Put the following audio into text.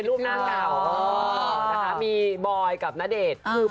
ลุงกันแยก